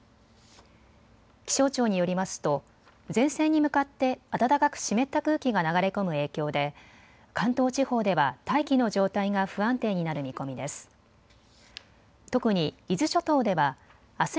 気象庁によりますと前線に向かって暖かく湿った空気が流れ込む影響で関東地方では大気の状態が不安定になる見込みです。